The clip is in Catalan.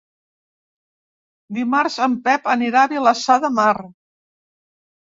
Dimarts en Pep anirà a Vilassar de Mar.